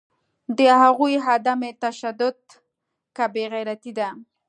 د هغوی عدم تشدد که بیغیرتي ده